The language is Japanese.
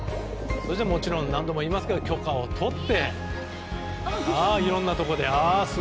もちろん何度も言いますが許可を取っていろんなところで。